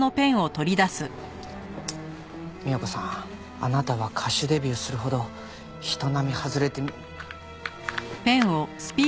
三代子さんあなたは歌手デビューするほど人並み外れて。